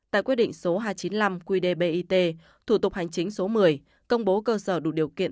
tại quy định số hai trăm chín mươi năm qdb it thủ tục hành chính số một mươi công bố cơ sở đủ điều kiện